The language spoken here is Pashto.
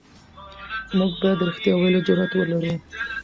موږ بايد د رښتيا ويلو جرئت ولرو.